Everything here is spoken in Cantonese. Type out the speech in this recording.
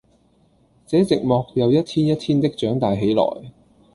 這寂寞又一天一天的長大起來，